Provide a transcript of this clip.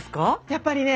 やっぱりね